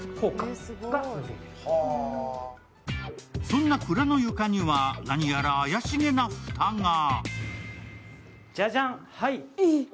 そんな蔵の床には何やら怪しげな蓋が。